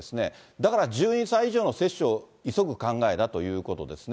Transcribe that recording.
だから１２歳以上の接種を急ぐ考えだということですね。